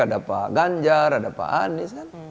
ada pak ganjar ada pak anies kan